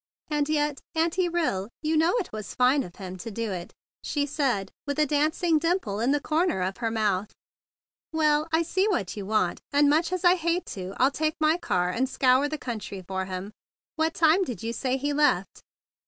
"And yet, Auntie Hill, you know it was fine of him to do it," she said with a dancing dimple in the comer of her mouth. "Well, I see what you want; and, much as I hate to, I'll take my car THE BIG BLUE SOLDIER 117 and scour the country for him. What time did you say he left?"